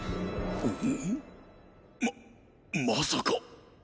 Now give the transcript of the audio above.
⁉ままさか。